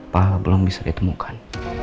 pak al belum bisa ditemukan